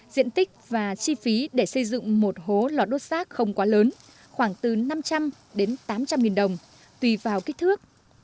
diện tích và chi phí để xây dựng một hố lò đốt rác không quá lớn khoảng từ năm trăm linh đến tám trăm linh nghìn đồng tùy vào kích thước